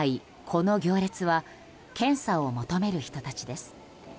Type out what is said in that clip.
この行列は検査を求める人たちです。